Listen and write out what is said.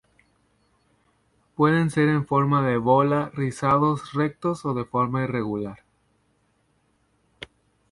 Pueden ser en forma de bola, rizados, rectos o de forma irregular.